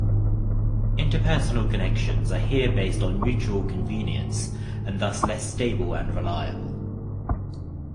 Interpersonal connections are here based on mutual convenience and thus less stable and reliable.